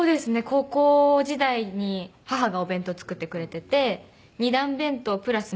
高校時代に母がお弁当を作ってくれてて２段弁当プラス